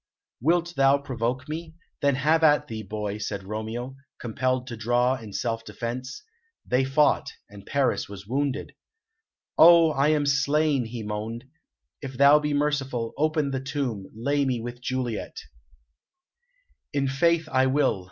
"Wilt thou provoke me? Then have at thee, boy!" said Romeo, compelled to draw in self defence. They fought, and Paris was wounded. "Oh, I am slain!" he moaned. "If thou be merciful, open the tomb, lay me with Juliet." [Illustration: "Oh, I am slain!"] "In faith, I will.